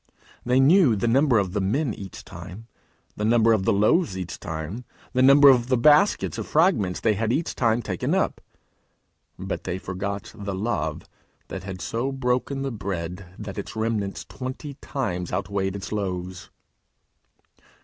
They knew the number of the men each time, the number of the loaves each time, the number of the baskets of fragments they had each time taken up, but they forgot the Love that had so broken the bread that its remnants twenty times outweighed its loaves.